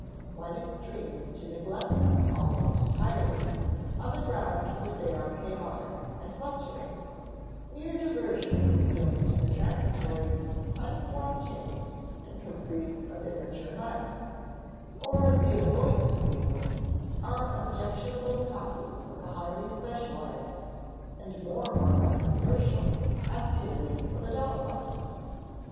One extreme is to neglect them almost entirely, on the ground that they are chaotic and fluctuating, mere diversions appealing to the transitory unformed taste and caprice of immature minds; or if they avoid this evil, are objectionable copies of the highly specialized, and more or less commercial, activities of adult life.